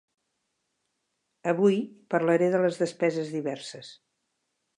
Avui, parlaré de les despeses diverses.